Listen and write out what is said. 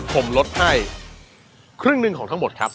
ผมลดให้ครึ่งหนึ่งของทั้งหมดครับ